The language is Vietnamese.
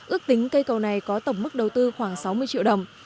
ước tính cây cầu này có tổng mức đầu tư khoảng sáu mươi triệu đồng